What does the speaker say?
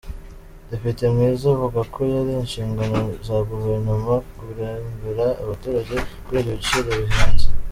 Depite Mwiza avuga ko ari inshingano za Guverinoma kurengera abaturage kuri ibyo biciro bihenze.